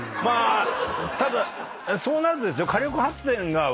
まあただそうなるとですよ。